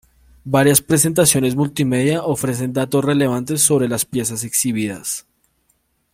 Varias presentaciones multimedia ofrecen datos relevantes sobre las piezas exhibidas.